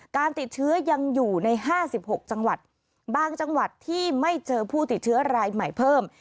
การติดเชื้อยังอยู่ใน๕๖จังหวัดบางจังหวัดที่ไม่เจอผู้ติดเชื้อรายใหม่เพิ่ม